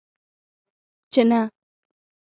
چې نه!